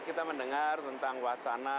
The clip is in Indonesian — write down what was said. kita mendengar tentang wacana